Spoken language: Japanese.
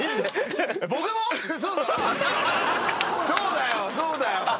そうだよ！